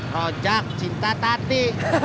rojak cinta tadi